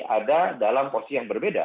ada dalam posisi yang berbeda